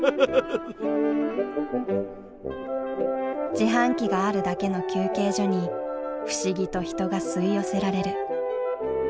自販機があるだけの休憩所に不思議と人が吸い寄せられる。